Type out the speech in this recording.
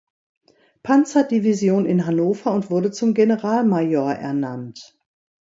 Panzerdivision in Hannover und wurde zum Generalmajor ernannt.